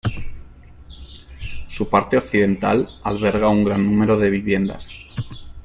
Su parte occidental alberga un gran número de viviendas.